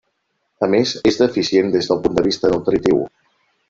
A més és deficient des del punt de vista nutritiu.